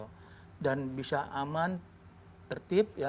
orang sudah melakukan aktivitas kegiatan di lubulingga ini